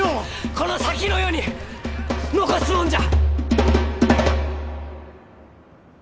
この先の世に残すもんじゃ！